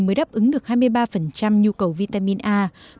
mới đáp ứng được hai mươi ba nhu cầu vitamin a